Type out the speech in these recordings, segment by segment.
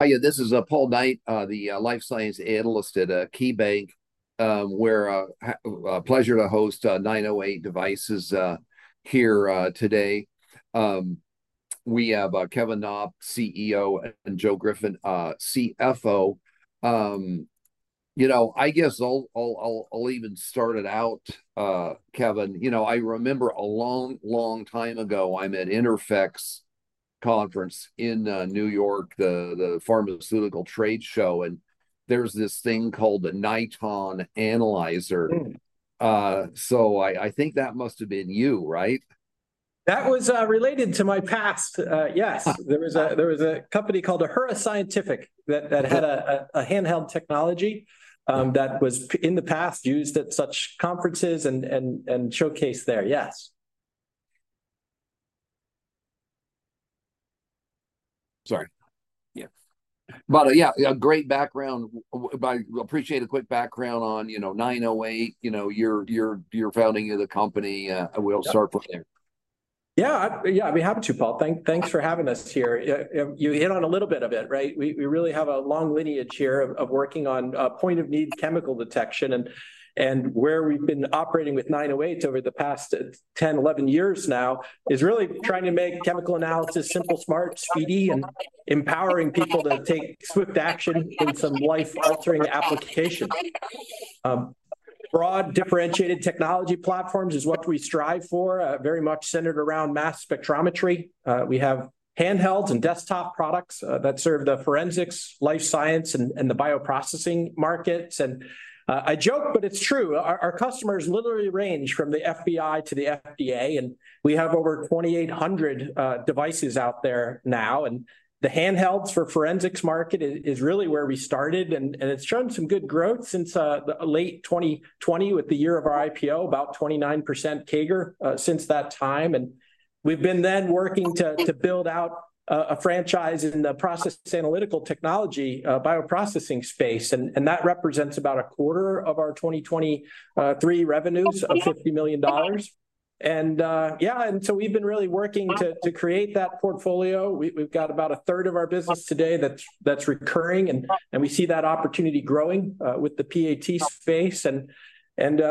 Hiya, this is Paul Knight, the Life Science Analyst at KeyBanc. It's a pleasure to host 908 Devices here today. We have Kevin Knopp, CEO, and Joe Griffith, CFO. I guess I'll even start it out, Kevin. I remember a long, long time ago I'm at INTERPHEX Conference in New York, the Pharmaceutical Trade Show, and there's this thing called the Niton Analyzer. So I think that must have been you, right? That was related to my past. Yes. There was a company called Ahura Scientific that had a handheld technology that was in the past used at such conferences and showcased there. Yes. Sorry. Yeah. But yeah, great background. I appreciate a quick background on 908, your founding of the company. We'll start from there. Yeah, yeah, we have to, Paul. Thanks for having us here. You hit on a little bit of it, right? We really have a long lineage here of working on point of need chemical detection. And where we've been operating with 908 over the past 10, 11 years now is really trying to make chemical analysis simple, smart, speedy, and empowering people to take swift action in some life-altering applications. Broad differentiated technology platforms is what we strive for, very much centered around Mass Spectrometry. We have handhelds and desktop products that serve the forensics, life science, and the bioprocessing markets. And I joke, but it's true. Our customers literally range from the FBI to the FDA, and we have over 2,800 devices out there now. The handhelds for the forensics market is really where we started, and it's shown some good growth since late 2020 with the year of our IPO, about 29% CAGR since that time. We've been then working to build out a franchise in the process analytical technology bioprocessing space, and that represents about a quarter of our 2023 revenues of $50 million. Yeah, and so we've been really working to create that portfolio. We've got about a third of our business today that's recurring, and we see that opportunity growing with the PAT space.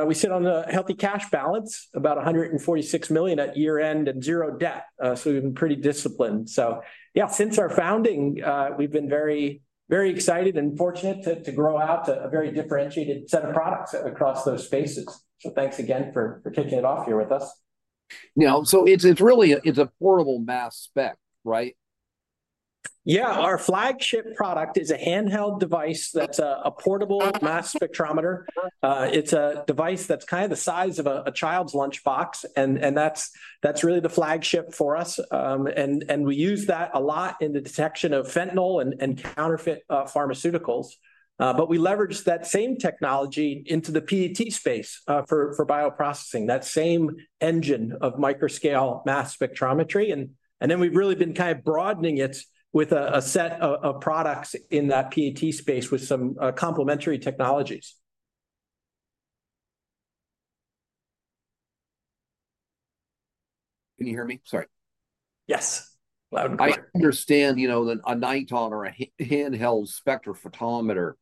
We sit on a healthy cash balance, about $146 million at year-end and zero debt. We've been pretty disciplined. Yeah, since our founding, we've been very, very excited and fortunate to grow out a very differentiated set of products across those spaces. Thanks again for kicking it off here with us. Yeah, so it's really a portable Mass Spec, right? Yeah, our flagship product is a handheld device that's a portable Mass Spectrometer. It's a device that's kind of the size of a child's lunchbox, and that's really the flagship for us. We use that a lot in the detection of fentanyl and counterfeit pharmaceuticals. But we leverage that same technology into the PAT space for bioprocessing, that same engine of microscale Mass Spectrometry. Then we've really been kind of broadening it with a set of products in that PAT space with some complementary technologies. Can you hear me? Sorry. Yes. I understand a Niton or a handheld spectrophotometer.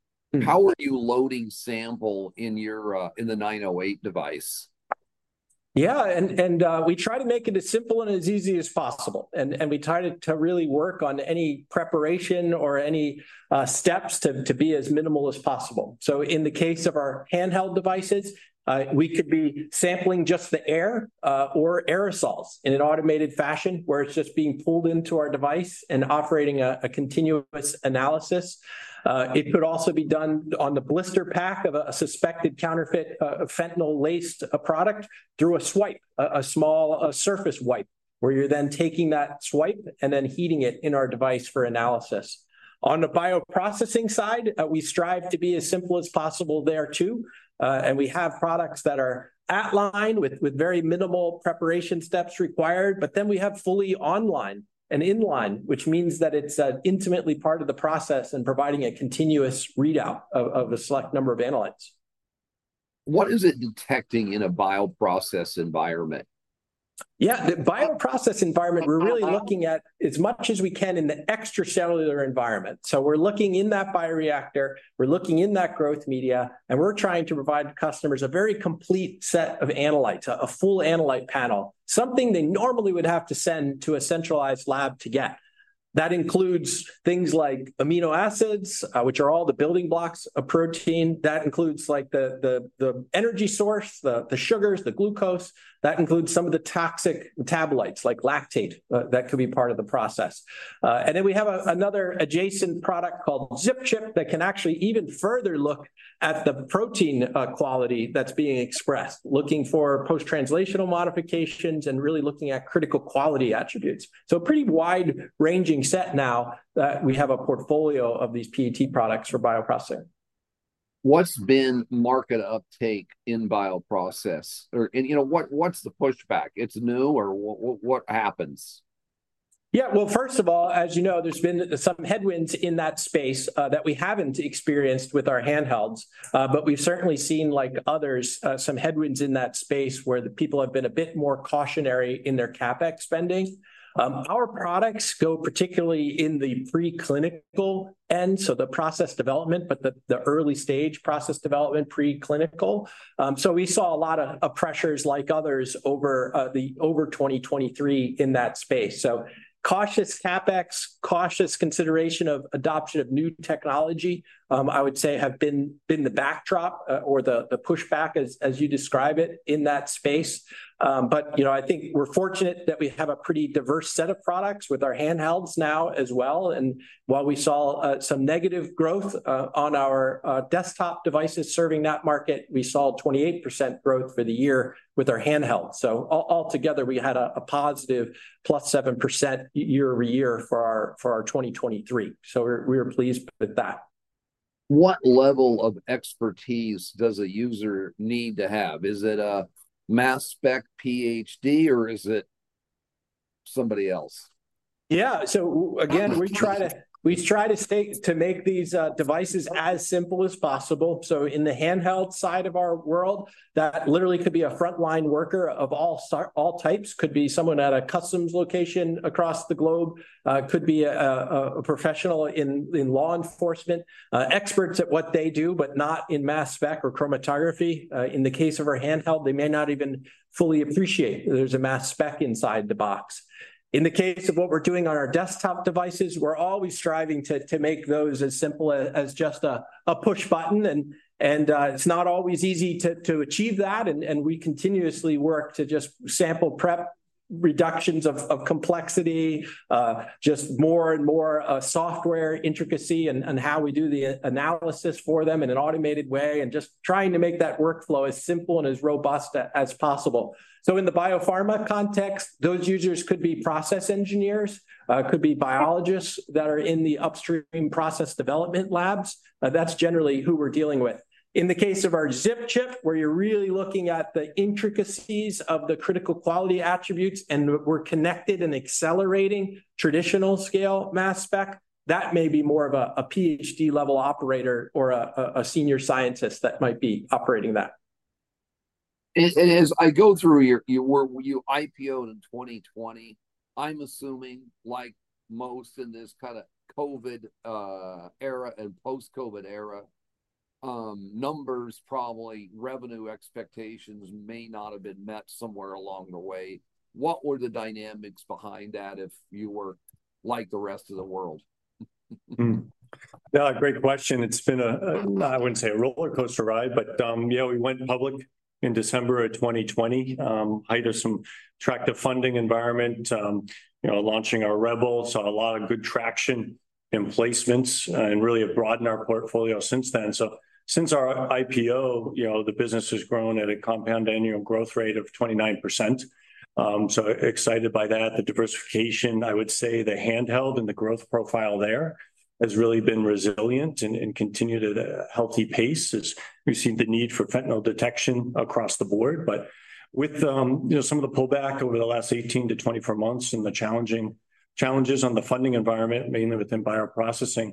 How are you loading samples in the 908 device? Yeah, and we try to make it as simple and as easy as possible. And we try to really work on any preparation or any steps to be as minimal as possible. So in the case of our handheld devices, we could be sampling just the air or aerosols in an automated fashion, where it's just being pulled into our device and operating a continuous analysis. It could also be done on the blister pack of a suspected counterfeit fentanyl-laced product through a swipe, a small surface wipe, where you're then taking that swipe and then heating it in our device for analysis. On the bioprocessing side, we strive to be as simple as possible there too. We have products that are at-line with very minimal preparation steps required, but then we have fully online and in-line, which means that it's intimately part of the process and providing a continuous readout of a select number of analytes. What is it detecting in a bioprocess environment? Yeah, the bioprocess environment we're really looking at as much as we can in the extracellular environment. So we're looking in that bioreactor, we're looking in that growth media, and we're trying to provide customers a very complete set of analytes, a full analytes panel, something they normally would have to send to a centralized lab to get. That includes things like amino acids, which are all the building blocks of protein. That includes the energy source, the sugars, the glucose. That includes some of the toxic metabolites like lactate that could be part of the process. And then we have another adjacent product called ZipChip that can actually even further look at the protein quality that's being expressed, looking for post-translational modifications and really looking at critical quality attributes. So a pretty wide-ranging set now that we have a portfolio of these PAT products for bioprocessing. What's been market uptake in bioprocess? And what's the pushback? It's new or what happens? Yeah, well, first of all, as you know, there's been some headwinds in that space that we haven't experienced with our handhelds. But we've certainly seen, like others, some headwinds in that space where the people have been a bit more cautionary in their CapEx spending. Our products go particularly in the preclinical end, so the process development, but the early stage process development, preclinical. So we saw a lot of pressures like others over 2023 in that space. So cautious CapEx, cautious consideration of adoption of new technology, I would say, have been the backdrop or the pushback, as you describe it, in that space. But I think we're fortunate that we have a pretty diverse set of products with our handhelds now as well. And while we saw some negative growth on our desktop devices serving that market, we saw 28% growth for the year with our handhelds. Altogether, we had a positive +7% year-over-year for our 2023. We're pleased with that. What level of expertise does a user need to have? Is it a Mass Spec PhD or is it somebody else? Yeah, so again, we try to make these devices as simple as possible. So in the handheld side of our world, that literally could be a frontline worker of all types. Could be someone at a customs location across the globe. Could be a professional in law enforcement, experts at what they do, but not in Mass Spec or chromatography. In the case of our handheld, they may not even fully appreciate there's a Mass Spec inside the box. In the case of what we're doing on our desktop devices, we're always striving to make those as simple as just a push button. It's not always easy to achieve that, and we continuously work to just sample prep reductions of complexity, just more and more software intricacy and how we do the analysis for them in an automated way and just trying to make that workflow as simple and as robust as possible. So in the biopharma context, those users could be process engineers, could be biologists that are in the upstream process development labs. That's generally who we're dealing with. In the case of our ZipChip, where you're really looking at the intricacies of the critical quality attributes and we're connected and accelerating traditional scale Mass Spec, that may be more of a PhD-level operator or a senior scientist that might be operating that. As I go through your where you IPO in 2020, I'm assuming, like most in this kind of COVID era and post-COVID era. Numbers probably, revenue expectations may not have been met somewhere along the way. What were the dynamics behind that if you were like the rest of the world? Yeah, great question. It's been a, I wouldn't say a rollercoaster ride, but yeah, we went public in December of 2020. Despite some tough funding environment, launching our REBEL, saw a lot of good traction in placements and really have broadened our portfolio since then. So since our IPO, the business has grown at a compound annual growth rate of 29%. So excited by that, the diversification, I would say the handheld and the growth profile there has really been resilient and continued at a healthy pace. We've seen the need for fentanyl detection across the board, but with some of the pullback over the last 18-24 months and the challenges on the funding environment, mainly within bioprocessing.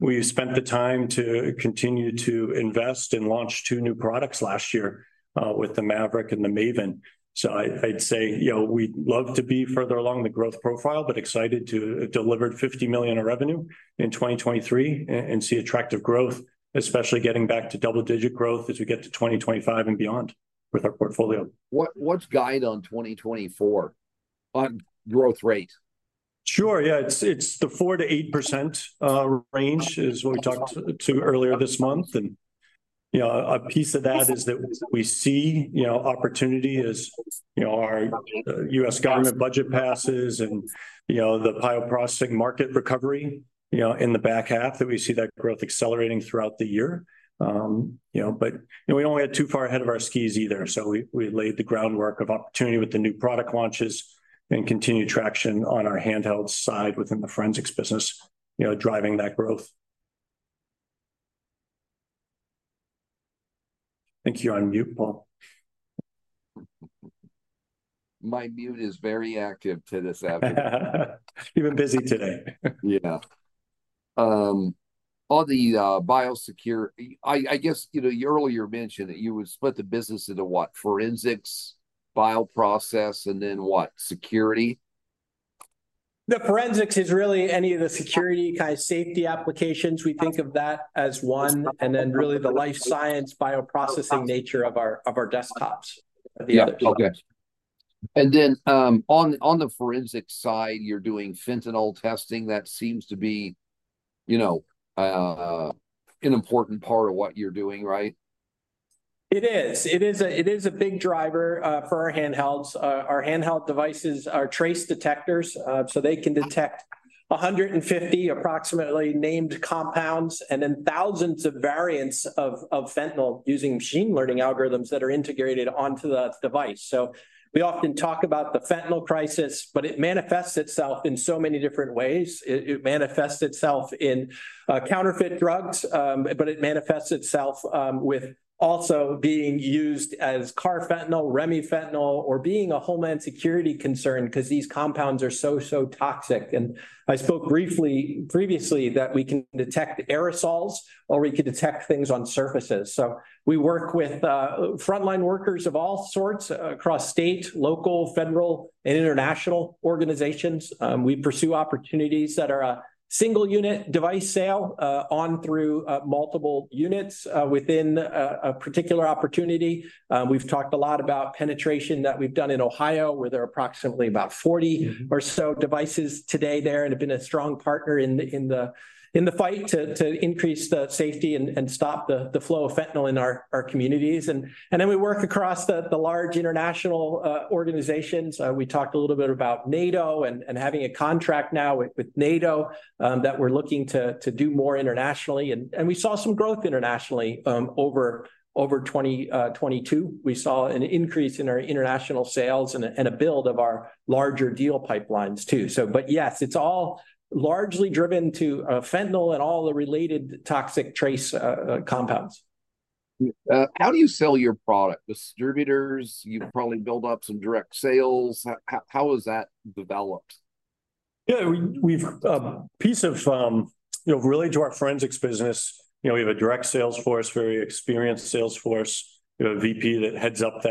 We spent the time to continue to invest and launch two new products last year with the MAVERICK and the MAVEN. I'd say we'd love to be further along the growth profile, but excited to deliver $50 million of revenue in 2023 and see attractive growth, especially getting back to double-digit growth as we get to 2025 and beyond with our portfolio. What's guiding 2024 on growth rate? Sure, yeah, it's the 4%-8% range is what we talked to earlier this month. And a piece of that is that we see opportunity as our U.S. government budget passes and the bioprocessing market recovery in the back half that we see that growth accelerating throughout the year. But we don't get too far ahead of our skis either, so we laid the groundwork of opportunity with the new product launches and continued traction on our handheld side within the forensics business, driving that growth. Thank you. You're on mute, Paul. My mute is very active this afternoon. You've been busy today. Yeah. All the business, I guess you earlier mentioned that you would split the business into what? Forensics, bioprocess, and then what? Security? The forensics is really any of the security kind of safety applications. We think of that as one and then really the life science bioprocessing nature of our desktops. On the forensics side, you're doing fentanyl testing. That seems to be an important part of what you're doing, right? It is. It is a big driver for our handhelds. Our handheld devices are trace detectors, so they can detect approximately 150 named compounds and then thousands of variants of fentanyl using machine learning algorithms that are integrated onto the device. So we often talk about the fentanyl crisis, but it manifests itself in so many different ways. It manifests itself in counterfeit drugs, but it manifests itself with also being used as carfentanil, remifentanil, or being a homeland security concern because these compounds are so, so toxic. And I spoke briefly previously that we can detect aerosols or we could detect things on surfaces. So we work with frontline workers of all sorts across state, local, federal, and international organizations. We pursue opportunities that are a single unit device sale on through multiple units within a particular opportunity. We've talked a lot about penetration that we've done in Ohio, where there are approximately about 40 or so devices today there and have been a strong partner in the fight to increase the safety and stop the flow of fentanyl in our communities. And then we work across the large international organizations. We talked a little bit about NATO and having a contract now with NATO that we're looking to do more internationally. And we saw some growth internationally over 2022. We saw an increase in our international sales and a build of our larger deal pipelines too. But yes, it's all largely driven to fentanyl and all the related toxic trace compounds. How do you sell your product? Distributors, you probably build up some direct sales. How is that developed? Yeah, we have a piece related to our forensics business. We have a direct sales force, very experienced sales force. We have a VP that heads up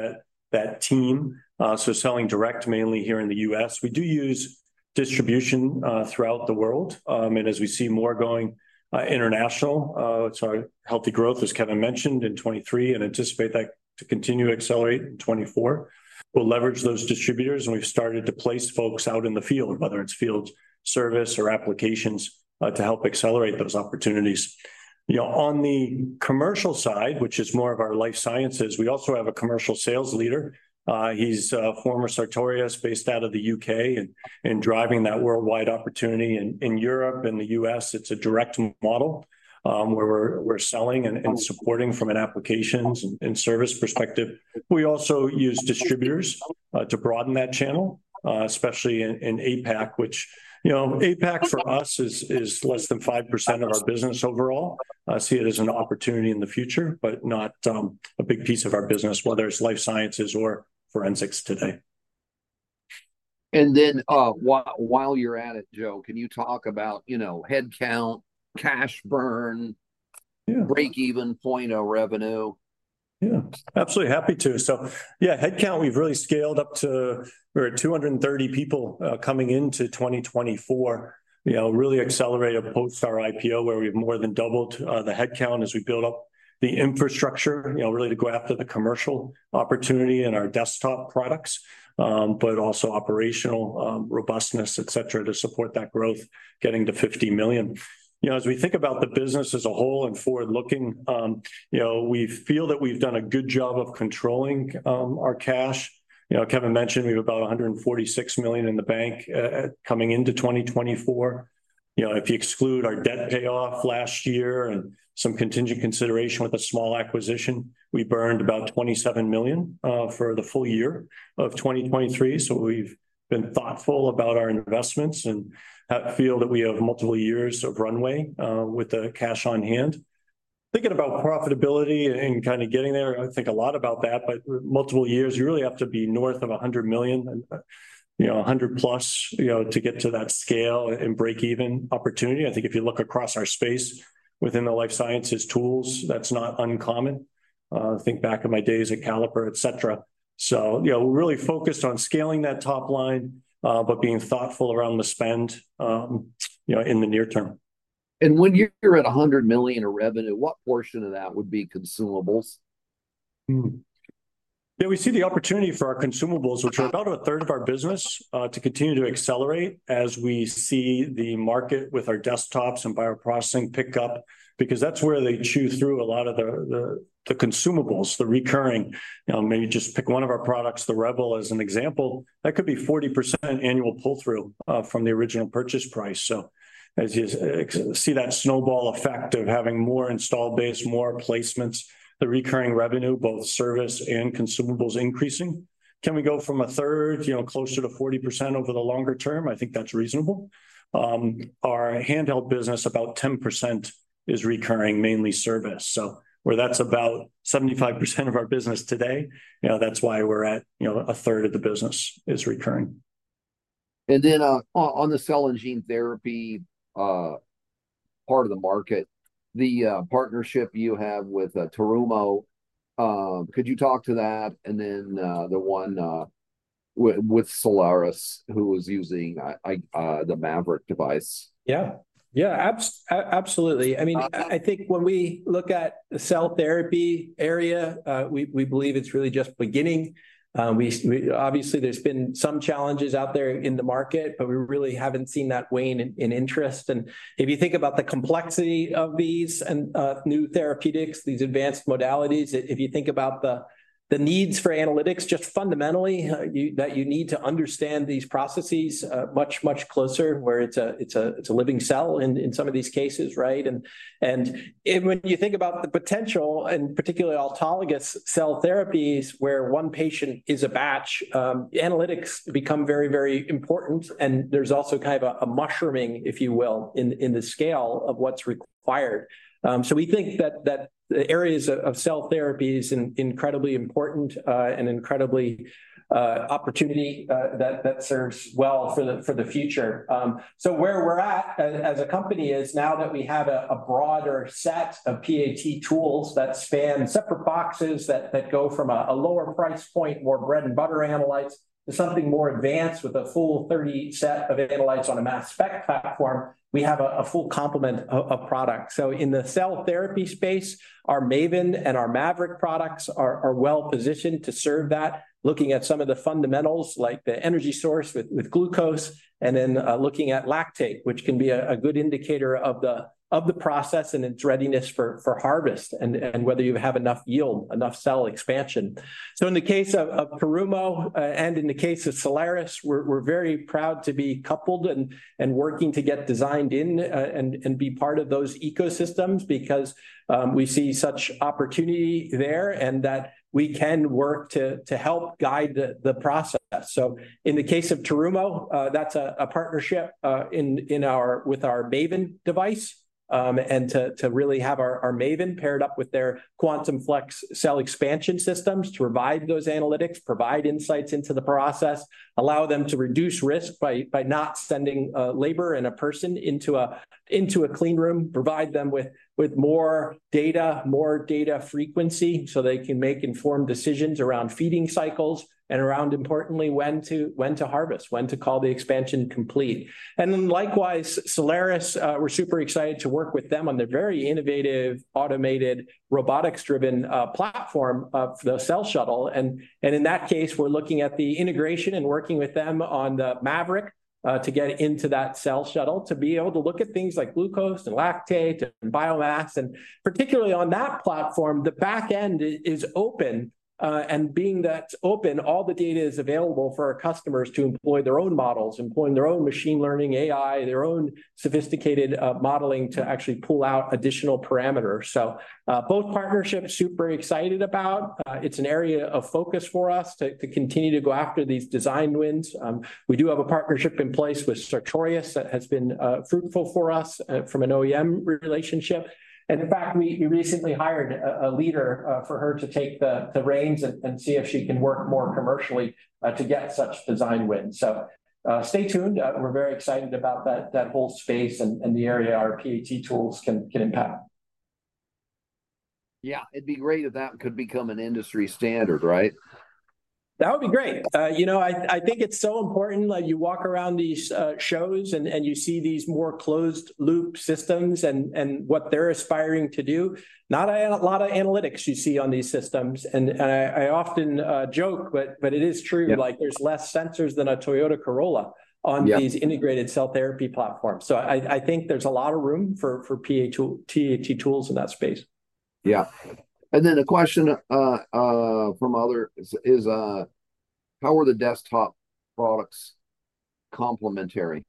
that team. So selling direct mainly here in the U.S. We do use distribution throughout the world. And as we see more going international, it's our healthy growth, as Kevin mentioned, in 2023 and anticipate that to continue to accelerate in 2024. We'll leverage those distributors, and we've started to place folks out in the field, whether it's field service or applications, to help accelerate those opportunities. On the commercial side, which is more of our life sciences, we also have a commercial sales leader. He's former Sartorius, based out of the U.K., and driving that worldwide opportunity. In Europe and the U.S., it's a direct model where we're selling and supporting from an applications and service perspective. We also use distributors to broaden that channel, especially in APAC, which APAC for us is less than 5% of our business overall. I see it as an opportunity in the future, but not a big piece of our business, whether it's life sciences or forensics today. And then while you're at it, Joe, can you talk about headcount, cash burn, breakeven point of revenue? Yeah, absolutely. Happy to. So yeah, headcount, we've really scaled up to we're at 230 people coming into 2024. Really accelerated post our IPO where we've more than doubled the headcount as we build up the infrastructure, really to go after the commercial opportunity in our desktop products, but also operational robustness, etc., to support that growth getting to $50 million. As we think about the business as a whole and forward-looking, we feel that we've done a good job of controlling our cash. Kevin mentioned we have about $146 million in the bank coming into 2024. If you exclude our debt payoff last year and some contingent consideration with a small acquisition, we burned about $27 million for the full year of 2023. So we've been thoughtful about our investments and feel that we have multiple years of runway with the cash on hand. Thinking about profitability and kind of getting there, I think a lot about that, but multiple years, you really have to be north of $100 million, $100 plus to get to that scale and breakeven opportunity. I think if you look across our space within the life sciences tools, that's not uncommon. Think back to my days at Caliper, etc. So we're really focused on scaling that top line, but being thoughtful around the spend in the near term. When you're at $100 million of revenue, what portion of that would be consumables? Yeah, we see the opportunity for our consumables, which are about a third of our business, to continue to accelerate as we see the market with our desktops and bioprocessing pick up because that's where they chew through a lot of the consumables, the recurring. Maybe just pick one of our products, the REBEL, as an example. That could be 40% annual pull-through from the original purchase price. So as you see that snowball effect of having more installed base, more placements, the recurring revenue, both service and consumables increasing. Can we go from a third closer to 40% over the longer term? I think that's reasonable. Our handheld business, about 10% is recurring, mainly service. So whereas that's about 75% of our business today, that's why we're at a third of the business is recurring. And then on the cell and gene therapy part of the market, the partnership you have with Terumo, could you talk to that and then the one with Cellares, who was using the MAVERICK device? Yeah. Yeah, absolutely. I mean, I think when we look at the cell therapy area, we believe it's really just beginning. Obviously, there's been some challenges out there in the market, but we really haven't seen that wane in interest. And if you think about the complexity of these new therapeutics, these advanced modalities, if you think about the needs for analytics, just fundamentally that you need to understand these processes much, much closer where it's a living cell in some of these cases, right? And when you think about the potential and particularly autologous cell therapies where one patient is a batch, analytics become very, very important. And there's also kind of a mushrooming, if you will, in the scale of what's required. So we think that the areas of cell therapy is incredibly important and incredibly an opportunity that serves well for the future. So where we're at as a company is now that we have a broader set of PAT tools that span separate boxes that go from a lower price point, more bread and butter analytes, to something more advanced with a full 30 set of analytes on a Mass Spec platform, we have a full complement of products. So in the cell therapy space, our MAVEN and our MAVERICK products are well positioned to serve that, looking at some of the fundamentals like the energy source with glucose and then looking at lactate, which can be a good indicator of the process and its readiness for harvest and whether you have enough yield, enough cell expansion. In the case of Terumo and in the case of Cellares, we're very proud to be coupled and working to get designed in and be part of those ecosystems because we see such opportunity there and that we can work to help guide the process. In the case of Terumo, that's a partnership with our MAVEN device and to really have our MAVEN paired up with their Quantum Flex cell expansion systems to provide those analytics, provide insights into the process, allow them to reduce risk by not sending labor and a person into a clean room, provide them with more data, more data frequency so they can make informed decisions around feeding cycles and around, importantly, when to harvest, when to call the expansion complete. Then likewise, Cellares, we're super excited to work with them on their very innovative, automated, robotics-driven platform for the Cell Shuttle. In that case, we're looking at the integration and working with them on the MAVERICK to get into that Cell Shuttle to be able to look at things like glucose and lactate and biomass. And particularly on that platform, the back end is open. And being that open, all the data is available for our customers to employ their own models, employing their own machine learning, AI, their own sophisticated modeling to actually pull out additional parameters. So both partnerships, super excited about. It's an area of focus for us to continue to go after these design wins. We do have a partnership in place with Sartorius that has been fruitful for us from an OEM relationship. And in fact, we recently hired a leader for her to take the reins and see if she can work more commercially to get such design wins. So stay tuned. We're very excited about that whole space and the area our PAT tools can impact. Yeah, it'd be great if that could become an industry standard, right? That would be great. You know, I think it's so important that you walk around these shows and you see these more closed-loop systems and what they're aspiring to do. Not a lot of analytics you see on these systems. And I often joke, but it is true. There's less sensors than a Toyota Corolla on these integrated cell therapy platforms. So I think there's a lot of room for PAT tools in that space. Yeah. And then the question from others is, how are the desktop products complementary?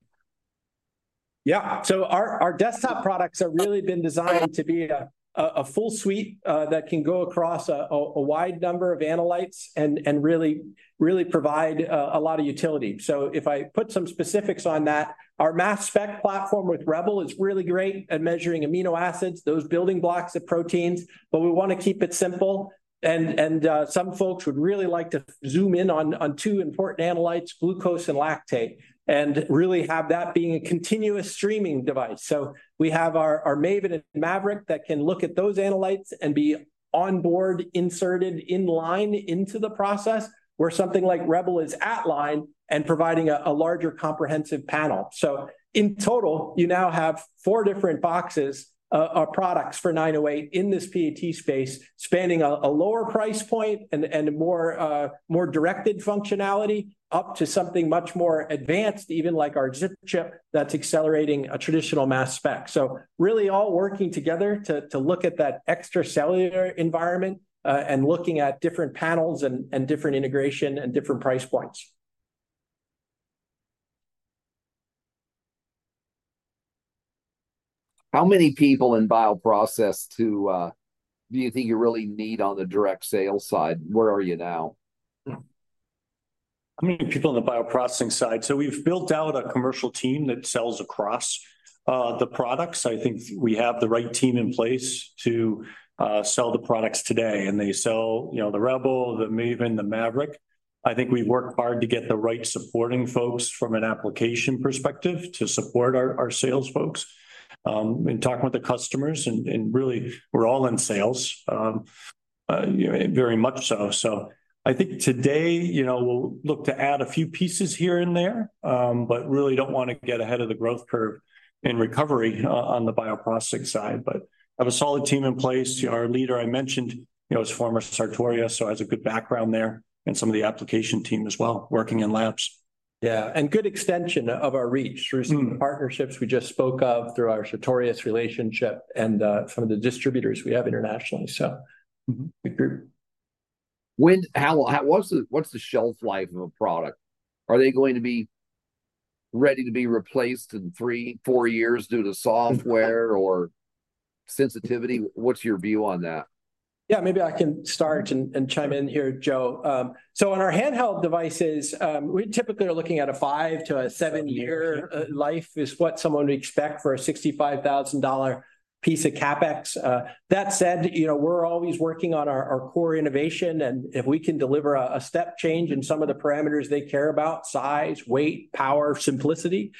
Yeah, so our desktop products have really been designed to be a full suite that can go across a wide number of analytes and really provide a lot of utility. So if I put some specifics on that, our Mass Spec platform with REBEL is really great at measuring amino acids, those building blocks of proteins, but we want to keep it simple. And some folks would really like to zoom in on two important analytes, glucose and lactate, and really have that being a continuous streaming device. So we have our MAVEN and MAVERICK that can look at those analytes and be onboard, inserted in line into the process where something like REBEL is at line and providing a larger comprehensive panel. In total, you now have four different boxes of products for 908 in this PAT space spanning a lower price point and more directed functionality up to something much more advanced, even like our ZipChip that's accelerating a traditional Mass Spec. Really all working together to look at that extracellular environment and looking at different panels and different integration and different price points. How many people in bioprocess do you think you really need on the direct sale side? Where are you now? How many people in the bioprocessing side? So we've built out a commercial team that sells across the products. I think we have the right team in place to sell the products today. They sell the REBEL, the MAVEN, the MAVERICK. I think we've worked hard to get the right supporting folks from an application perspective to support our sales folks. Talking with the customers, really, we're all in sales. Very much so. So I think today, we'll look to add a few pieces here and there, but really don't want to get ahead of the growth curve in recovery on the bioprocessing side. We have a solid team in place. Our leader I mentioned is former Sartorius, so has a good background there and some of the application team as well, working in labs. Yeah, and good extension of our reach through some partnerships we just spoke of through our Sartorius relationship and some of the distributors we have internationally. What's the shelf life of a product? Are they going to be ready to be replaced in 3-4 years due to software or sensitivity? What's your view on that? Yeah, maybe I can start and chime in here, Joe. So on our handheld devices, we typically are looking at a five to seven year life is what someone would expect for a $65,000 piece of CapEx. That said, we're always working on our core innovation. And if we can deliver a step change in some of the parameters they care about, size, weight, power, simplicity,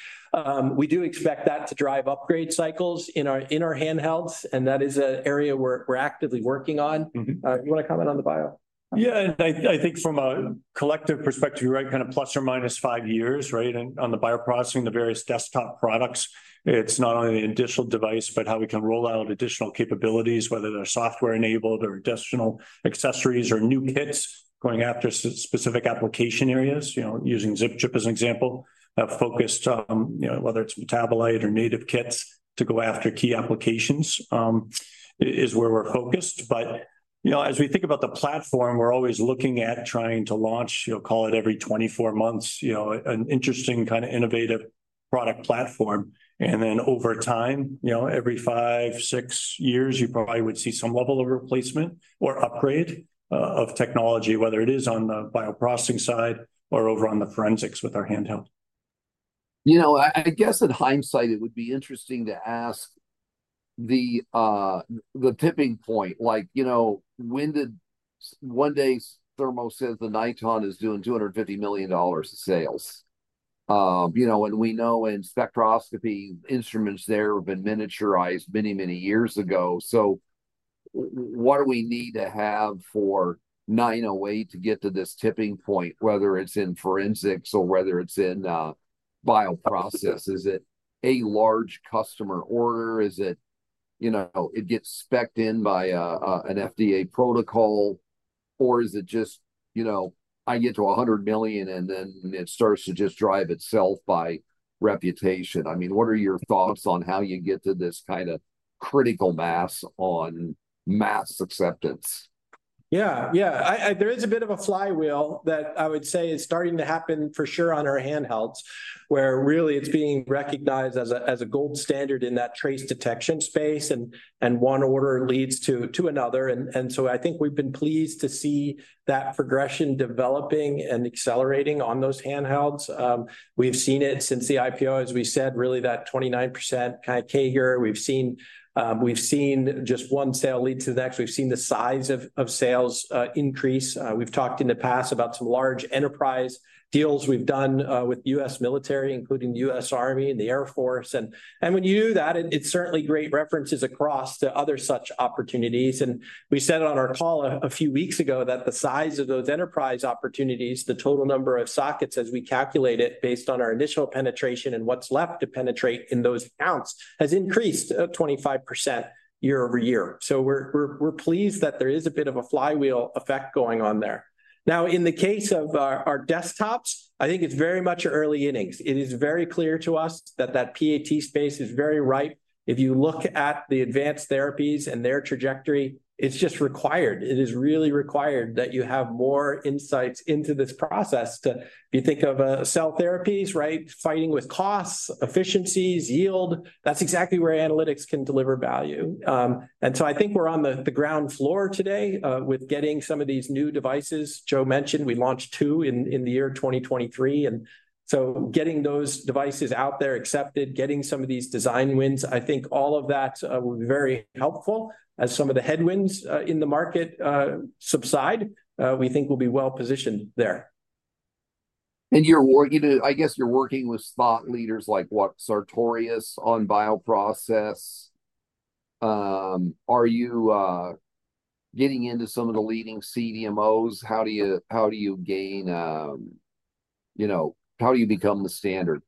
we do expect that to drive upgrade cycles in our handhelds. And that is an area we're actively working on. You want to comment on the bio? Yeah, and I think from a collective perspective, you're right, kind of ±5 years, right? And on the bioprocessing, the various desktop products, it's not only the initial device, but how we can roll out additional capabilities, whether they're software-enabled or additional accessories or new kits going after specific application areas, using ZipChip as an example, have focused, whether it's metabolite or native kits, to go after key applications is where we're focused. But as we think about the platform, we're always looking at trying to launch, call it every 24 months, an interesting kind of innovative product platform. And then over time, every five, six years, you probably would see some level of replacement or upgrade of technology, whether it is on the bioprocessing side or over on the forensics with our handheld. You know, I guess in hindsight, it would be interesting to ask the tipping point, like when did one day Thermo says the Niton is doing $250 million in sales. And we know in spectroscopy, instruments there have been miniaturized many, many years ago. So what do we need to have for 908 to get to this tipping point, whether it's in forensics or whether it's in bioprocess? Is it a large customer order? Is it gets specked in by an FDA protocol? Or is it just I get to $100 million and then it starts to just drive itself by reputation? I mean, what are your thoughts on how you get to this kind of critical mass on mass acceptance? Yeah, yeah, there is a bit of a flywheel that I would say is starting to happen for sure on our handhelds, where really it's being recognized as a gold standard in that trace detection space and one order leads to another. And so I think we've been pleased to see that progression developing and accelerating on those handhelds. We've seen it since the IPO, as we said, really that 29% kind of CAGR. We've seen just one sale lead to the next. We've seen the size of sales increase. We've talked in the past about some large enterprise deals we've done with the U.S. Military, including the U.S. Army and the U.S. Air Force. And when you do that, it's certainly great references across to other such opportunities. We said it on our call a few weeks ago that the size of those enterprise opportunities, the total number of sockets as we calculate it based on our initial penetration and what's left to penetrate in those counts, has increased 25% year-over-year. We're pleased that there is a bit of a flywheel effect going on there. Now, in the case of our desktops, I think it's very much early innings. It is very clear to us that that PAT space is very ripe. If you look at the advanced therapies and their trajectory, it's just required. It is really required that you have more insights into this process too, if you think of cell therapies, right, fighting with costs, efficiencies, yield, that's exactly where analytics can deliver value. So I think we're on the ground floor today with getting some of these new devices. Joe mentioned we launched two in the year 2023. And so getting those devices out there, accepted, getting some of these design wins, I think all of that will be very helpful. As some of the headwinds in the market subside, we think we'll be well positioned there. You're working to I guess you're working with thought leaders like what, Sartorius on bioprocess? Are you getting into some of the leading CDMOs? How do you gain how do you become the standard?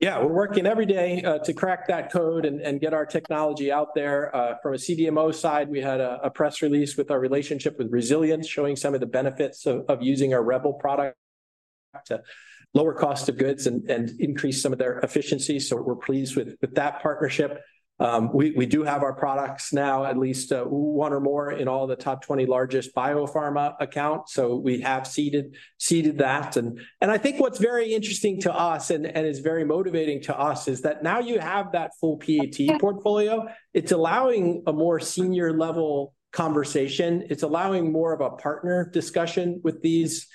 Yeah, we're working every day to crack that code and get our technology out there. From a CDMO side, we had a press release with our relationship with Resilience showing some of the benefits of using our REBEL product to lower cost of goods and increase some of their efficiencies. So we're pleased with that partnership. We do have our products now, at least one or more in all the top 20 largest biopharma accounts. So we have seeded that. And I think what's very interesting to us and is very motivating to us is that now you have that full PAT portfolio. It's allowing a more senior-level conversation. It's allowing more of a partner discussion with these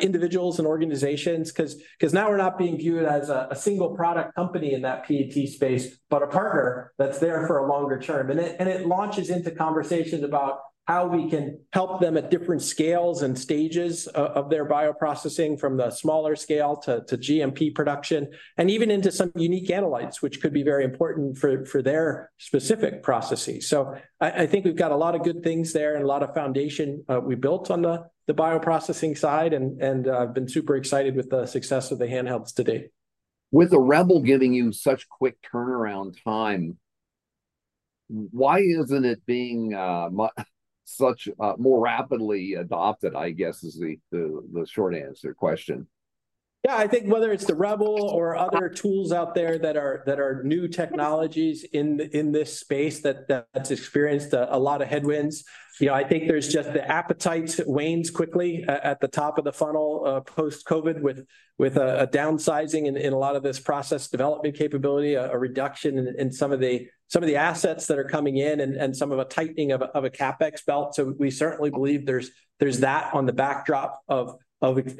individuals and organizations because now we're not being viewed as a single product company in that PAT space, but a partner that's there for a longer term. It launches into conversations about how we can help them at different scales and stages of their bioprocessing, from the smaller scale to GMP production and even into some unique analytes, which could be very important for their specific processes. I think we've got a lot of good things there and a lot of foundation we built on the bioprocessing side. I've been super excited with the success of the handhelds to date. With the REBEL giving you such quick turnaround time, why isn't it being so much more rapidly adopted, I guess, is the short answer to the question. Yeah, I think whether it's the REBEL or other tools out there that are new technologies in this space that's experienced a lot of headwinds. I think there's just the appetite wanes quickly at the top of the funnel post-COVID with a downsizing in a lot of this process development capability, a reduction in some of the assets that are coming in, and some of a tightening of a CapEx belt. So we certainly believe there's that on the backdrop of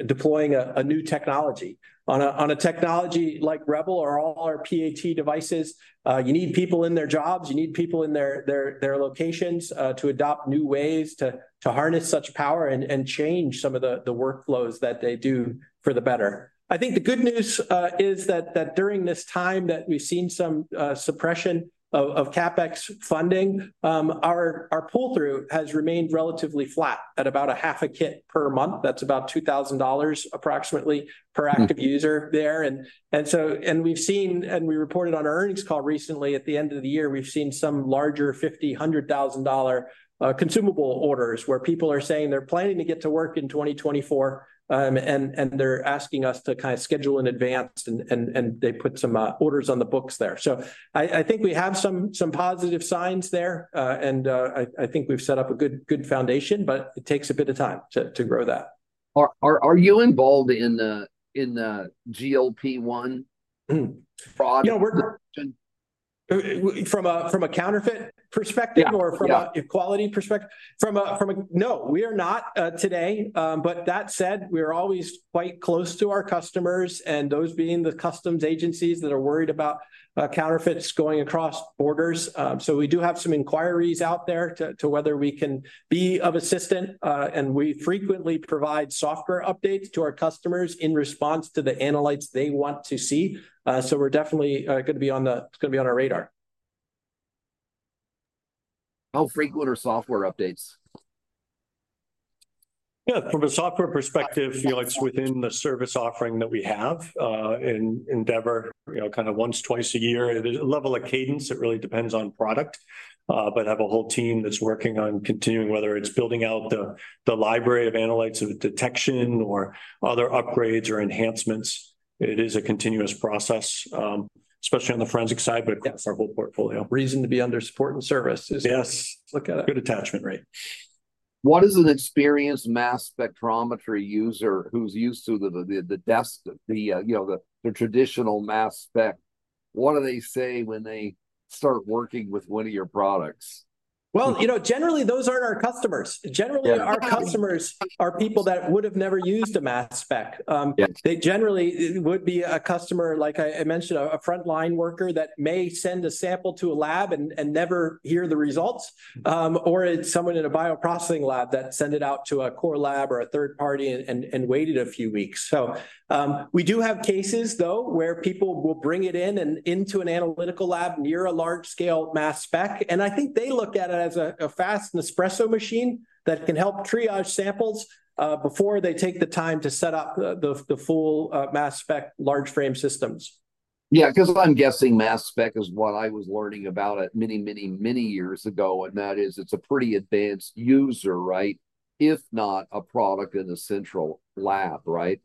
deploying a new technology. On a technology like REBEL or all our PAT devices, you need people in their jobs. You need people in their locations to adopt new ways to harness such power and change some of the workflows that they do for the better. I think the good news is that during this time that we've seen some suppression of CapEx funding, our pull-through has remained relatively flat at about a half a kit per month. That's about $2,000 approximately per active user there. And we've seen, and we reported on our earnings call recently, at the end of the year, we've seen some larger $50,000, $100,000 consumable orders where people are saying they're planning to get to work in 2024. And they're asking us to kind of schedule in advance. And they put some orders on the books there. So I think we have some positive signs there. And I think we've set up a good foundation, but it takes a bit of time to grow that. Are you involved in the GLP-1 fraud? From a counterfeit perspective or from an equality perspective? No, we are not today. But that said, we're always quite close to our customers, and those being the customs agencies that are worried about counterfeits going across borders. So we do have some inquiries out there to whether we can be of assistance. And we frequently provide software updates to our customers in response to the analytes they want to see. So we're definitely going to be on the it's going to be on our radar. How frequent are software updates? Yeah, from a software perspective, it's within the service offering that we have in Endeavor, kind of once, twice a year. It is a level of cadence. It really depends on product. But have a whole team that's working on continuing, whether it's building out the library of analytes of detection or other upgrades or enhancements. It is a continuous process, especially on the forensic side, but across our whole portfolio. Reason to be under support and service is to look at it. Good attachment rate. What does an experienced Mass Spectrometry user who's used to the desk, the traditional Mass Spec, what do they say when they start working with one of your products? Well, you know generally, those aren't our customers. Generally, our customers are people that would have never used a Mass Spec. They generally would be a customer, like I mentioned, a frontline worker that may send a sample to a lab and never hear the results. Or it's someone in a bioprocessing lab that sent it out to a core lab or a third party and waited a few weeks. So we do have cases, though, where people will bring it in and into an analytical lab near a large-scale Mass Spec. And I think they look at it as a fast Nespresso machine that can help triage samples before they take the time to set up the full Mass Spec large-frame systems. Yeah, because I'm guessing Mass Spec is what I was learning about many, many, many years ago. And that is, it's a pretty advanced user, right? If not a product in a central lab, right?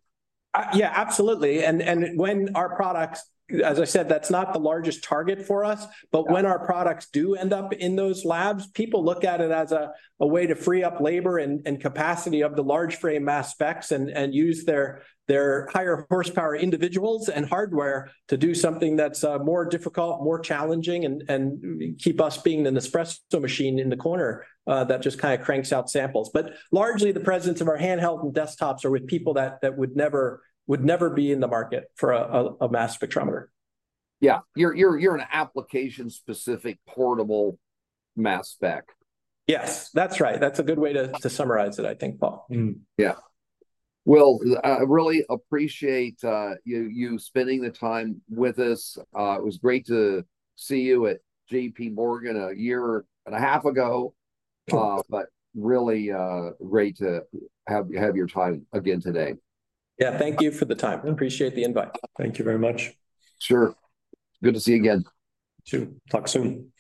Yeah, absolutely. And when our products, as I said, that's not the largest target for us. But when our products do end up in those labs, people look at it as a way to free up labor and capacity of the large-frame Mass Specs and use their higher horsepower individuals and hardware to do something that's more difficult, more challenging, and keep us being the Nespresso machine in the corner that just kind of cranks out samples. But largely, the presence of our handheld and desktops are with people that would never be in the market for a Mass Spectrometer. Yeah, you're an application-specific portable Mass Spec. Yes, that's right. That's a good way to summarize it, I think, Paul. Yeah. Well, I really appreciate you spending the time with us. It was great to see you at JPMorgan a year and a half ago. But really great to have your time again today. Yeah, thank you for the time. Appreciate the invite. Thank you very much. Sure. Good to see you again. You too. Talk soon.